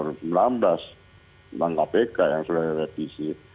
tentang kpk yang sudah direvisi